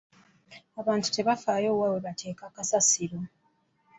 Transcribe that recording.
Abantu tebafaayo wa we bateeka kasasiro.